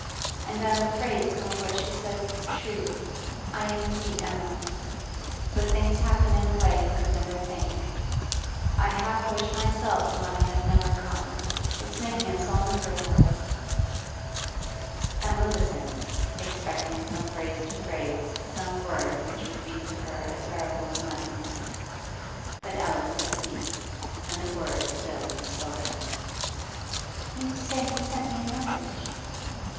And I'm afraid some of what she says is true, I am indeed, Emma. But things happen in a way you could never think. I half wish myself the money had never come. It's making us all miserable.' Emma listened, expecting from phrase to phrase some word which would be to her a terrible enlightenment But Alice had ceased, and the word still unspoken. 'You say he sent me a message?